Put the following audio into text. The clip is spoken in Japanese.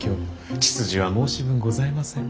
血筋は申し分ございません。